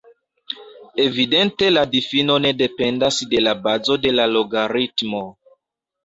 Evidente la difino ne dependas de la bazo de la logaritmo.